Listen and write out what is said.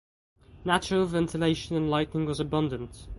Natural ventilation and lighting was abundant.